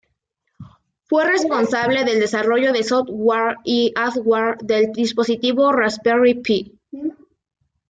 Fue el responsable del desarrollo del software y hardware del dispositivo Raspberry Pi.